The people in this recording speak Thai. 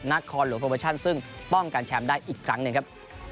นาคอลหรือโปรเบอร์ชันซึ่งป้องกันแชมป์ได้อีกครั้งหนึ่งครับ